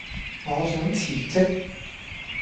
我想辭職